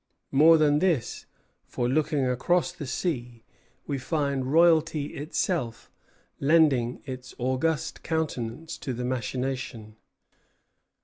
More than this; for, looking across the sea, we find royalty itself lending its august countenance to the machination.